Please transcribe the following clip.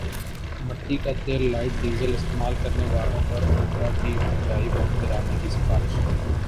مٹی کا تیللائٹ ڈیزل استعمال کرنے والوں پر اوگرا کی مہنگائی بم گرانے کی سفارش